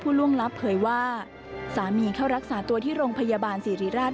ล่วงลับเผยว่าสามีเข้ารักษาตัวที่โรงพยาบาลสิริราช